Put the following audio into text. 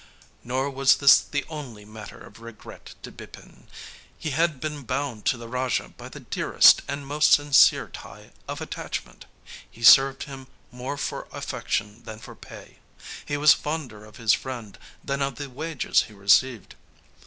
Nor was this the only matter of regret to Bipin. He had been bound to the Raja by the dearest and most sincere tie of attachment. He served him more for affection than for pay. He was fonder of his friend than of the wages he received.